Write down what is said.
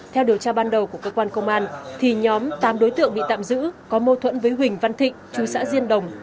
theo điều tra ban đầu của cơ quan công an thì nhóm tám đối tượng bị tạm giữ có mâu thuẫn với huỳnh văn thịnh chú xã diên đồng